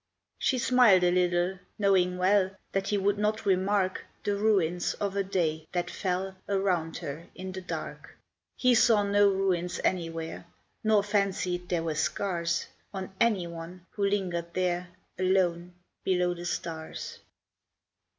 She smiled a little, knowing well That he would not remark The ruins of a day that fell Around her in the dark: He saw no ruins anywhere, Nor fancied there were scars On anyone who lingered there, Alone below the stars.